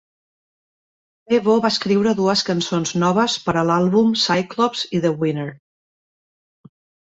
Devo va escriure dues cançons noves per a l'àlbum, "Cyclops" i "The Winner".